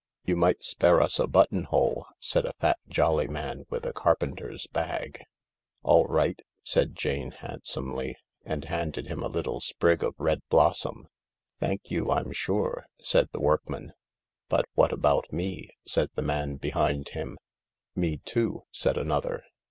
"You might spare us a buttonhole," said a fat, jolly man with a carpenter's bag. "All right," said Jane handsomely, and handed him a little sprig of red blossom. "Thank you, I'm sure,!' said the workman. " But what about me ?" said the man behind him. " Me, too," said another.